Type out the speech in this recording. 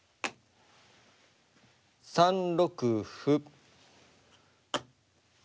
３六歩。